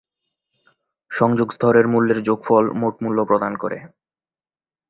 সংযোগ স্তরের মূল্যের যোগফল মোট মূল্য প্রদান করে।